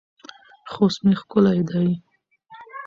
خوست مې ښکلی دی